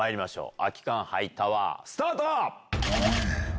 空き缶ハイタワー、スタート。